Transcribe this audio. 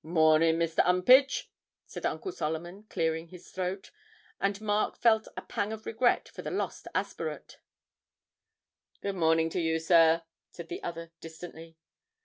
'Mornin', Mr. 'Umpage,' said Uncle Solomon, clearing his throat; and Mark felt a pang of regret for the lost aspirate. 'Good morning to you, sir,' said the other, distantly.